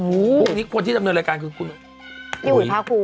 โอ้นี่คนที่ทำรายการคือคุณหุ่ยพระคุม